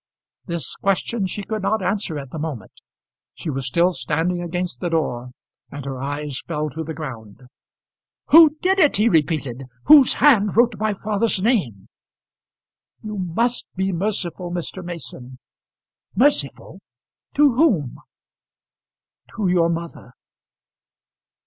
This question she could not answer at the moment. She was still standing against the door, and her eyes fell to the ground. "Who did it?" he repeated. "Whose hand wrote my father's name?" "You must be merciful, Mr. Mason." "Merciful; to whom?" "To your mother."